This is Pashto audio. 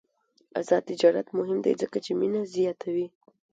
آزاد تجارت مهم دی ځکه چې مینه زیاتوي.